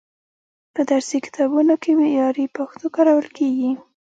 په درسي کتابونو کې معیاري پښتو کارول کیږي.